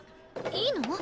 いいの？